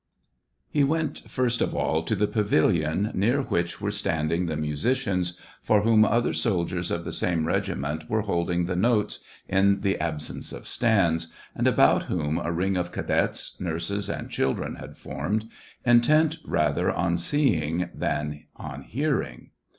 He went, first of all, to the pavilion, near which were standing the musicians, for whom other soldiers of the same regiment were holding the notes, in the absence of stands, and about whom a ring of cadets, nurses, and children had formed, intent rather on seeing than on hearing.